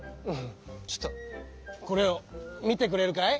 ちょっとこれを見てくれるかい？